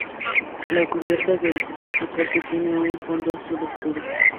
La cubierta del pasaporte tiene un fondo azul oscuro.